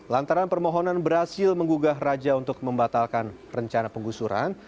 lantaran permohonan berhasil menggugah raja untuk membatalkan rencana penggusuran